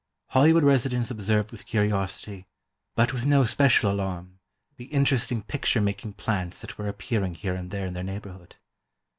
Hollywood residents observed with curiosity, but with no special alarm, the interesting picture making plants that were appearing here and there in their neighborhood.